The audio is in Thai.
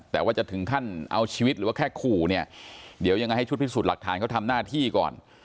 แต่ว่าจะถึงขั้นเอาชีวิตหรือว่าแค่ขู่เนี่ยเดี๋ยวยังไงให้ชุดพิสูจน์หลักฐานเขาทำหน้าที่ก่อน